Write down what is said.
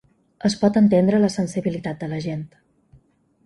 Es pot entendre la sensibilitat de la gent.